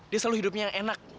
dia selalu hidupnya yang enak